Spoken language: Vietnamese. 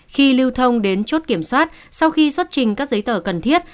khi lưu thông đến chốt kiểm soát sau khi xuất trình các giấy tờ cần thiết